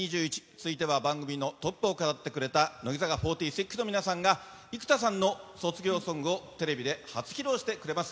続いては番組のトップも飾ってくれた乃木坂４６の皆さんが生田さんの卒業ソングをテレビで初披露してくれます。